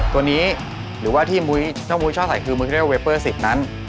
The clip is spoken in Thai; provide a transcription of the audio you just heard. ตัวนี้หรือว่าที่มุยชอบใส่คือมุยธีรศิลป์เวเปอร์๑๐นั้น